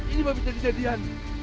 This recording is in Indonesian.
ini mah bisa kejadian